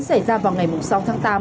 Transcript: xảy ra vào ngày sáu tháng tám